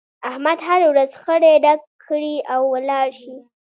احمد هر ورځ خړی ډک کړي او ولاړ شي.